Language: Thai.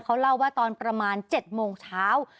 เขาเล่าว่าตอนประมาณ๗โมงเช้า